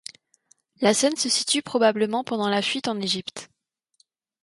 La scène se situe probablement pendant la Fuite en Égypte.